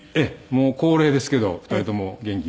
もう高齢ですけど２人とも元気で。